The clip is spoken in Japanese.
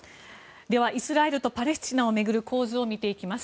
ではイスラエルとパレスチナを巡る構図を見ていきます。